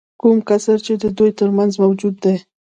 کوم کسر چې د دوی ترمنځ موجود دی